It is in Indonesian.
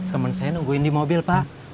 temen saya nungguin di mobil pak